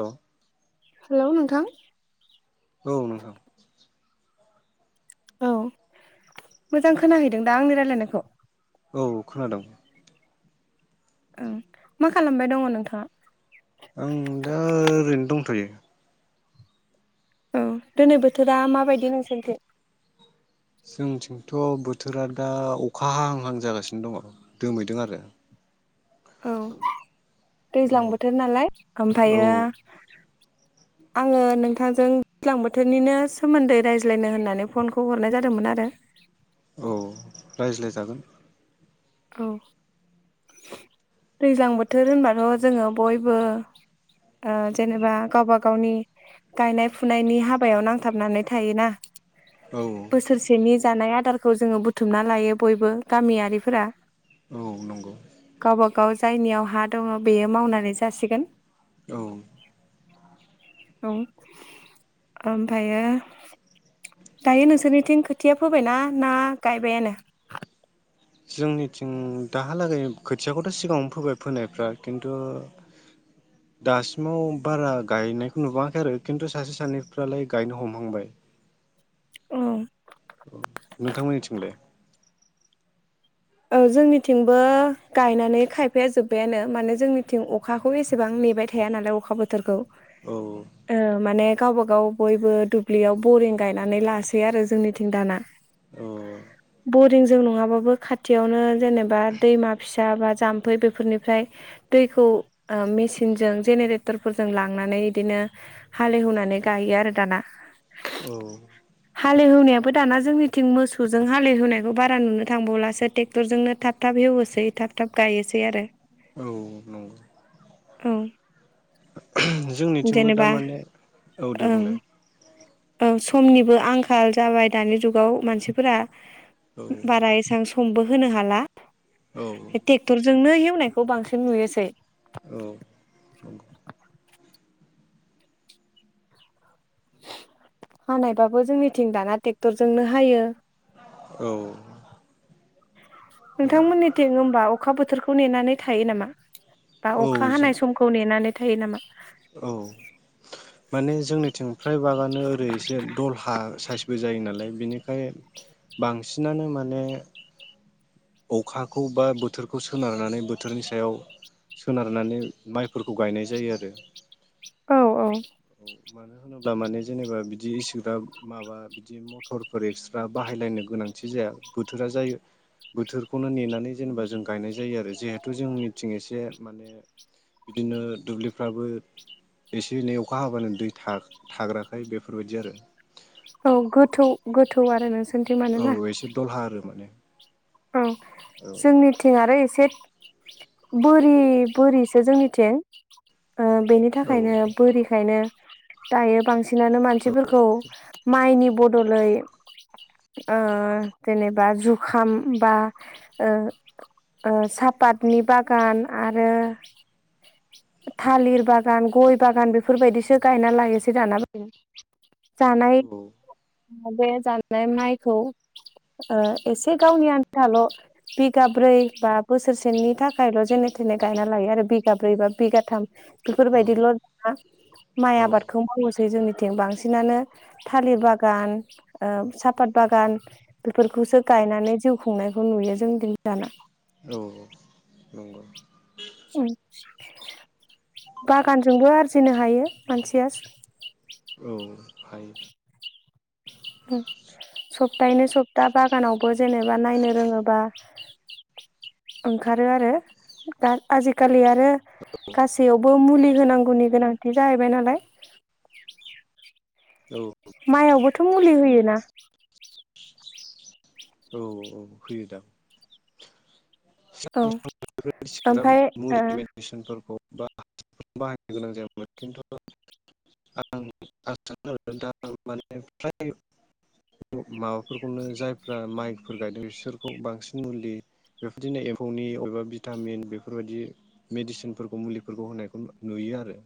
औ हेलौ नोंथां औ नोंथां औ मोजां खोनाहैदों दा आंनि रायलायनायखौ? औ खोनादों ओं मा खालामबाय दङ नोंथाङा? आं दा ओरैनो दंथ'यो औ दिनै बोथोरा माबायदि नोंसोरनिथिं जोंथिं थ' बोथोरा दा अख अखा हाहांहां जागासिनो दङ दोमैदों आरो औ। दैज्लां बोथोर नालाय औ ओमफायो आङो नोंथांजों ज्लां बोथोरनिनो सोमोन्दै रायज्लायनो होननानै फनखौ हरनाय जादोमोन आरो। औ रायज्लाय जागोन औ दैज्लां बोथोर होनबाथ' जोङो बयबो ओ जेनेबा गावबा गावनि गायनाय फुनायनि हाबायाव नांथाबनानै थायोना। औ बोसोरसेनि जानाय आ दारखौ जोङो बुथुमना लायो बयबो गामियारिफोरा। औ नंगौ। गावबा गाव जायनियाव हा दङ बेयो मावनानै जासिगोन। औ औ आमफायो दायो नोंसोरनिथिं खोथिया फोबायना ना गायबायानो? जोंनिथिं दाहालागै खोथियाखौथ' सिगाङावनो फोबाय फोनायफ्रा खिन्थु दासिमाव बारा गायनायखौ नुबोआखै आरो खिन्थु सासे सानैफ्रालाय गायनो हमहांबाय। औ। नोंथांमोननि थिंलाय? औ जोंनिथिंबो गायनानै खायफाया जोब्बायानो माने जोंनिथिं अखाखौ एसेबां नेबाय थाया नालाय अखा बोथोरखौ। औ ओह माने। गावबा गाव बयबो दुब्लियाव बरिं गायनानै लासै आरो जोंनिथिं दाना। औ बरिंजों नङाबो खाथ थियावनो जेनेबा दैमा फिसा बा जाम्फै बेफोरनिफ्राय दैखौ आह मेसिनजों जेनेरेटरफोरजों लांनानै इदिनो हालेहेवनानै गायो आरो दाना। औ हालेहेवनायाबो दाना जोंनिथिं मोसौजों हालेहेवनायखौ बारा नुनो थांबावलासो। टेक्टरजोंनो थाब थाब हेवोसै थाब थाब गायोसै आरो। औ नंगौ औ जोंनिथिंबो दा जेनेबा माने औ दे ओं बुंलाय। औ समनिबो आंखाल जाबाय दानि जुगाव मानसिफोरा। औ बारा एसां सम मबो होनो हाला। औ टेक्टरजोंनो हेव नायखौ बांसिन नुयोसै। औ। हानायबाबो जोंनिथिं दाना टेक्टरजोंनो हायो। औ। नोंथांमोननिथिं ओमबा अख खा बोथोरखौ नेनानै थायो नामा? बा औ अखा हानाय समखौ नेनानै थायो नामा? औ। माने जोंनिथिं फ्राय बागानो ओरै एसे दलहा साइसबो जायो नालाय बिनिखाय बांसिनानो माने अखाखौ बा बोथोरखौ सोनारनानै बोथोरनि सायाव सोनारनानै माइफोरखौ गायनाय जायो आरो औ औ मानो होनोब्ला माने जेनेबा बिदि इसिग्राब माबा बिदि मथरफोर एक्सट्रा बाहायलायनो गोनांथि जाया बोथोरा जायो। बोथोरखौनो नेनानै जेनेबा जों गायनाय जायो आरो जिहेथु जोंनिथिं एसे माने बिदिनो दुब्लिफ्राबो एसे एनै अखा हाबानो दै थाख थाग्राखाय बेफोरबायदि आरो औ गोथौ गोथौ आरो नोंसो औ एसे दलहा आरो माने औ जोंनिथिं आरो एसे बोरि बोरिसो जोंनिथिं ओ बेनि औ थाखायनो बोरिखायनो दायो बांसिनानो औ मानसिफोरखौ माइनि बदलै ओ जेनेबा जुखाम बा ओ ओ सापातनि बागान आरो थालिर बागान गय बागान बेफोरबायदिसो गायना लायोसै दाना जानाय औ बे जाननाय माइखौ ओ एसे गावनि आन थाल बिगाब्रै बा बोसोरसेनि थाखायल जेने थेने गायना लायो आरो बिगाब्रै बा बिगाथाम बेफोरबायदिल माइ औ आबादखौ मावो जों जोंनिथिं बांसिनानो थालिर बागान ओ साफात बागान बेफोरखौसो गायनानै जिउ खुंनायखौ नुयो जों दिन दाना औ नंगौ बागानजोंबो आरजिनो हायो मानसिया औ हायो सप्तायैनो सप्ता बागानावबो जेनेबा नायनो रोङोबा ओंखारो आरो दा आजिखालि आरो गासैयावबो मुलि होनांगौनि गोनांथि जाहैबाय नालाय औ माइआवबो थ मुलि होयोना औ औ होयोदां औ ओमफ्राय ओ ओ माबाफोरखौनो जायफ्रा माइफोर गायदों बिसोरखौ बांसिन मुलि बेफ बिदिनो एम्फौनि अबेबा भिटामिन बेफोरबायादि मेडिसिनफोरखौ मुलिफोरखौ होनायखौ नुयो आरो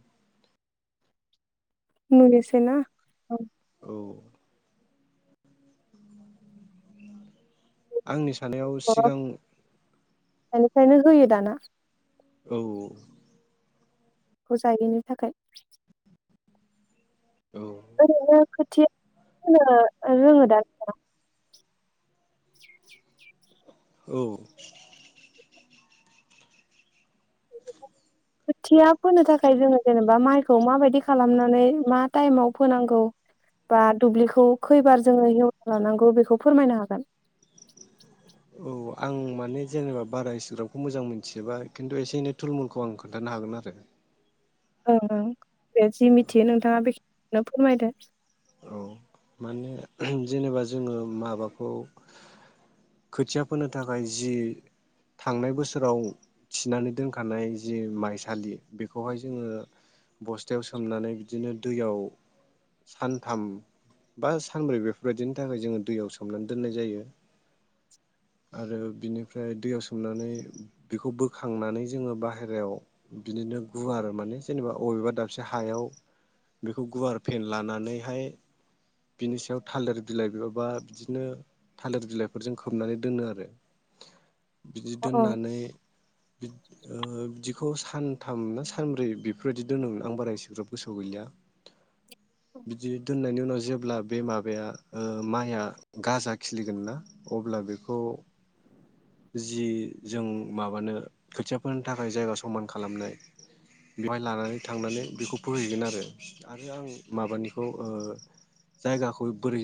मुलिसोना औ आंनि थानायाव सिगां बेनिखायनो होयो दाना औ खौ जायिनि थाखाय औ ओरैनो खोथिया फोनो रोङोदा नोंथांङा [inaudible] औ खोथिया फोनो थाखाय जोङो जेनेबा माइखौ माबायदि खालामनानै मा टाइमाव फोनांगौ बा दुब्लिखौ खैबार जोङो हेव लानांगौ बेखौ फोरमायनो हागोन औ आं माने जेनेबा बारा इसेग्राफखौ मोजां मोनथिजोबा खिन्थु एसे एनै थुलमुलखौ आं खोन्थानो हागोन आरो ओं ओं बे जि मिथियो नोंथाङा बेखिनो फोरमायदो औ माने ओ जेनेबा जोङो माबाखौ खोथिया फोनो थाखाय जि थांनाय बोसोराव थिनानै दोनखानाय जि माइसालि बेखौहाय जोङो बस्थायाव सोमनानै बिदिनो दैयाव सान थाम बा सानब्रै बेफोरबायदिनि थाखाय जोङो दैयाव सोमनानै दोननाय जायो आरो बिनिफ्राय दैयाव सोमनानै बेखौ बोखांनानै जोङो बाहेरायाव बिदिनो गुवार माने जेनेबा अबेबा दाबसे हायाव बेखौ गुवार फेन लानानै बेहाय बिनि सायाव थालिर बिलाइ बे बा बिदिनो थालिर बिलाइफोरजों खोबनानै दोनो आरो बिदि अ दोननानै ओ बिदिखौ सानथाम ना सानब्रै बेफोरबायदि दोनोमोन आं एसेग्राब गोसोआव गैलिया बिदि दोननायनि उनाव जेब्ला बे माबाया ओ माइआ गाजा खिलिगोन ना अब्ला बेखौ जि जों माबानो खोथिया फोनो थाखाय जायगा समान खालामनाय बेवहाय लानानै थांनानै बेखौ फोहैगोन आरो आरो आं माबानि खौ ओ जायगाखौ बोरै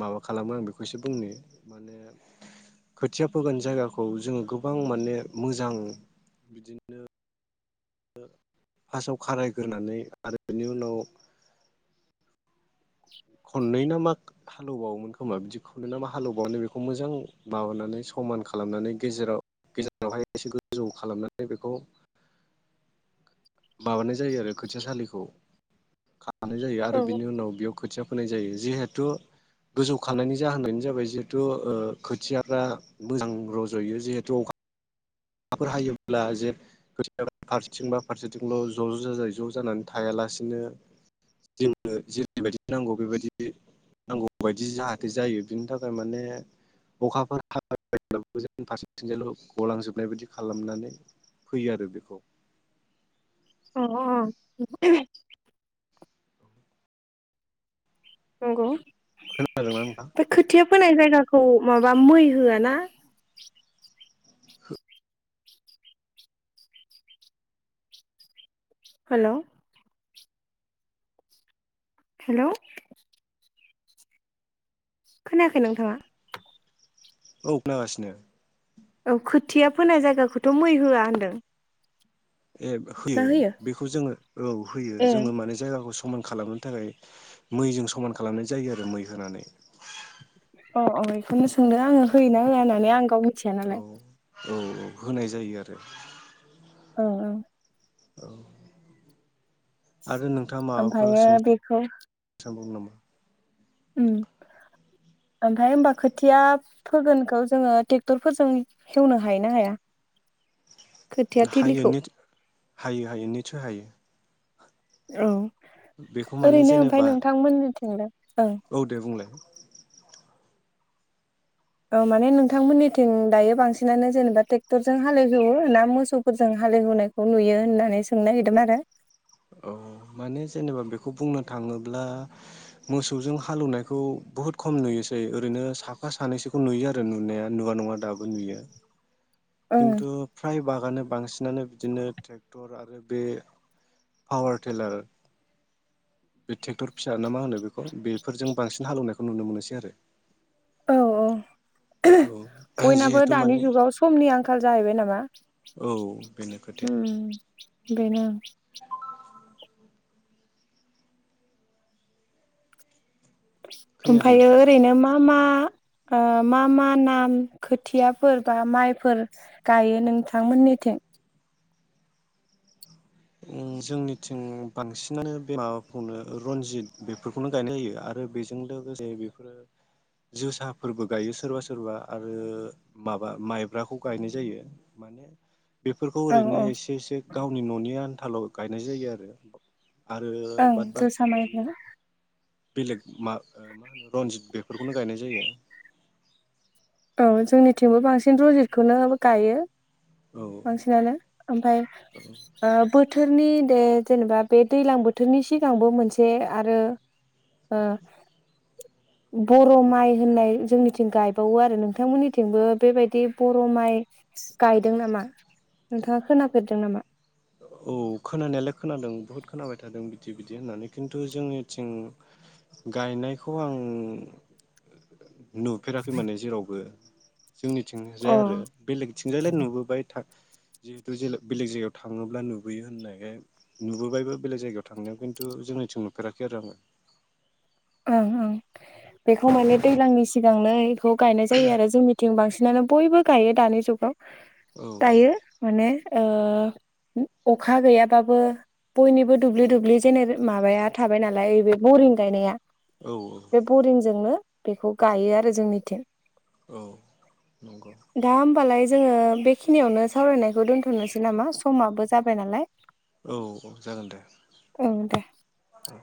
माबा खालामो आं बेखौएसे बुंनि माने खोथिया फोगोन जायगाखौ जोङो गोबां माने मोजां बिदिनो फासाव खारायग्रोनानै आरो बेनि उनाव खननै ना मा हालेवबावोमोन खोमा बिदि खननै ना मा हालेवबावनानै बेखौ मोजां माबानानै समान खालामनानै गेजेराव गेजेरावहाय एसे गोजौ खालामनानै बेखौ माबानाय जायो लानाय जायो आरो बिनि औ उनाव बेयाव खोथिया फोनाय जायो जिहेथु गोजौखानायनि जाहोनानो जाबाय जिहेथु खोथियाफ्रा मोजां रज'यो जिहेथु अखा अखाफोर हायोब्ला जे खोथिया फारसेथिं बा फारसेथिंल' ज' ज' जाजाय ज' जानानै थायालासिनो जोंनो जेरैबायदि नांगौ बेबायदि नांगौ बायदि जाहाथे जायो बिनि थाखाय माने अखाफोर हायोब्लाबो जों फारसेथिंजाल' गलांजोब नाय बादि खालामनानै फैयो आरो बेखौ ओ ओ नंगौ खोनादोंना नोंथां? बे खुथिया फोनाय जायगाखौ माबा मै होआ ना हेलौ हेलौ खोनायाखै नोंथाङा औ खोनागासिनो औ खोथिया फोनाय जायगाखौथ' मै होआ होनदों। ए होयो बेखौ जोङो औ होयो ए जोङो माने जायगाखौ समान खालामनो थाखाय मैजों समान खालामनाय जायो आरो मै होनानै अ अ बेखौनो सोंदों आङो होयोना होवा होननानै आं गाव मिथिया औ नालाय औ औ होनाय जायो आरो ओ ओ औ ओमफ्रायो बेखौ दंबावो नामा उम ओमफ्राय होमबा खोथिया फोगोनखौ जोङो ट्रेक्टरफोरजों हेवनो हायो ना हाया खोथिया हायो थिलिखौ नि हायो हायो नितसय हायो। औ बेखौ माने ओरैनो ओमफ्राय जेनेबा नोंथांमोननिथिंलाय ओं औ दे बुंलाय औ माने नोंथांमोननिथिं दायो बांसिनानो जेनेबा ट्रेक्टरजों हालेवहेवो ना मोसौफोरजों हालेवहेवनायखौ नुयो होननानै सोंनो नागिरदोंमोन आरो औ माने जेनेबा बेखौ बुंनो थाङोब्ला मोसौजों हालौवनायखौ बहुद खम नुयोसै ओरैनो साफा सानैसोखौ नुयो आरो नुनाया नुवा नङा दाबो नुयो। ओं किनथु बागानो बांसिनानो बिदिनो ट्रेक्टर आरो बे पावार टिलार बे ट्रेक्टर फिसा ना मा होनो बेखौ बेफोरजों बांसिन हालेवनायखौ नुनो मोनोसै आरो औ औ औ बयनाबो जिहेथु दानि माने जुगाव समनि आंखाल जाहैबाय नामा औ बेनो खोथाया उम बेनो खोनायाखै ओमफायो नोंथां ओरैनो मा मा मा ओ मा मा नाम खोथियाफोर बा माइफोर गायो नोंथांमोननिथिं जोंनिथिं बांसिनानो बे माबाखौनो रनजित बेफोरखौनो गायनाय जायो आरो बेजों लोगोसे बेफोरो जोसाफोरबो गायो सोरबा सोरबा आरो माबा माइब्राखौ गायनाय जायो माने बेफोरखौ औ ओरैनो औ एसे एसे गावनि न'नि आन आन्थाल' गायनाय जायो आरो आरो ओं बाद जोसा बाखि बिदि माइब्रा बेलेग मा होनो रनजित बेफोरखौनो गायनाय जायो। औ जोंनिथिंबो बांसिन रनजितखौनो गायो। औ बांसिनानो ओमफाय ओ बोथोर नि दे जेनेबा बे दैलां बोथोरनि सिगांबो मोनसे आरो ओ बर' माइ होननाय जोंनिथिं गायबावो आ रो नोंथांमोननिथिंबो बेबायदि बर' माइ गायदों नामा नोंथाङा खोनाफेरदों नामा? औ खोनानायालाय खोनादों बुहुत खोनाबाय थादों बिदि बिदि होननानै खिन्थु जोंनिथिं गायनायखौ आं नुफेराखै माने जेरावबो जोंनिथिंजाय आरो अ बेलेगथिंजायलाय नुबोबाय था जिहेथु जेला बेलेग जायगायाव थाङोब्ला नुबोयो होननायखाय नुबोबायबो बेलेग जायगायाव थांनायाव खिन्थु जोंनिथिं नुफेराखै आरो आङो। ओं ओं। बेखौ माने दैलांनि सि सिगांनो खौ गायनाय जायो आरो जोंनिथिं बांसि नानो बयबो गायो दानि जुगाव। औ दायो माने ओ अखा गैयाबाबो बयनिबो दुब्लि दुब्लि जेने माबाया थाबाय नालाय बे बरिं गायनाया। औ बे बरिंजोंनो बेखौ गायो आरो जोंनिथिं। औ नंगौ। दा होमबालाय जोङो बेखिनियावनो सावरायनायखौ दोन्थ'नोसै नामा समाबो जाबाय नालाय। औ औ जागोन दे ओं दे औ।